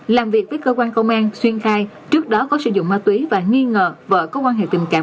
làm việc với cơ quan công an xuyên khai trước đó có sử dụng ma túy và nghi ngờ vợ có quan hệ tình cảm